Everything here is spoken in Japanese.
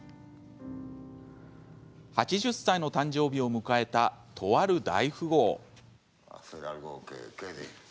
８０歳の誕生日を迎えたとある大富豪。